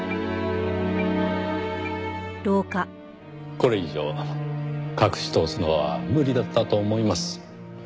これ以上隠し通すのは無理だったと思います。